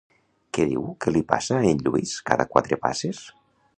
Què diu que li passa a en Lluís cada quatre passes?